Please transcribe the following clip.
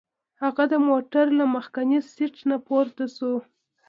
هغه د موټر له مخکیني سیټ نه پورته شو.